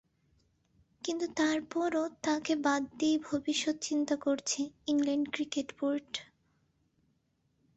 কিন্তু তার পরও তাঁকে বাদ দিয়েই ভবিষ্যত্ চিন্তা করছে ইংল্যান্ড ক্রিকেট বোর্ড।